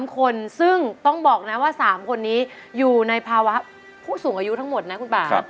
๓คนซึ่งต้องบอกนะว่า๓คนนี้อยู่ในภาวะผู้สูงอายุทั้งหมดนะคุณป่า